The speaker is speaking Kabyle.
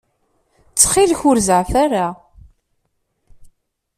Ttxil-k, ur zeɛɛef ara.